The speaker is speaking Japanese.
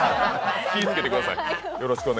気ぃつけてください。